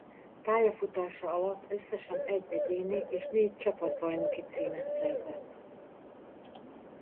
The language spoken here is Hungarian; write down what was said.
Pályafutása alatt összesen egy egyéni és négy csapatbajnoki címet szerzett.